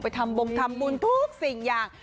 ทำบงทำบุญทุกสิ่งอย่าง